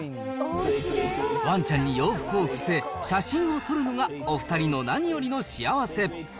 ワンちゃんに洋服を着せ、写真を撮るのがお２人の何よりの幸せ。